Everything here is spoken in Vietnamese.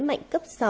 mạnh cấp sáu